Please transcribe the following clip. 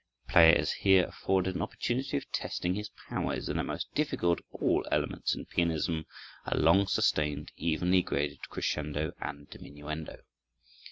The player is here afforded an opportunity of testing his powers in that most difficult of all elements in pianism—a long sustained, evenly graded crescendo and diminuendo.